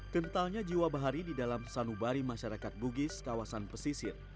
kentalnya jiwa bahari di dalam sanubari masyarakat bugis kawasan pesisir